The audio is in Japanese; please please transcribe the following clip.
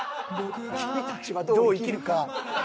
『君たちはどう生きるか』。